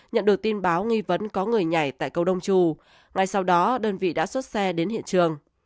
nhận được tin báo nghi vấn có người nhảy tại câu đông trù ngay sau đó đơn vị đã xuất xe đến hiện trường